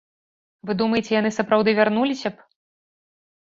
Вы думаеце, яны сапраўды вярнуліся б?